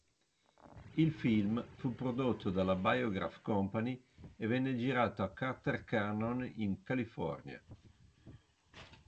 Il film fu prodotto dalla Biograph Company e venne girato a Carter-Carnon, in California.